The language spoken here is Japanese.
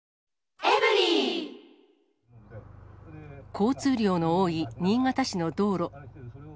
交通量の多い新潟市の道路。